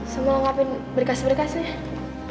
semua ngapain berkas berkasnya